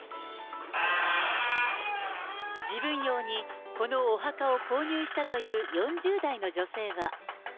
自分用にこのお墓を購入したという４０代の女性は。